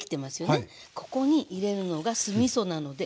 ここに入れるのが酢みそなのでお酢。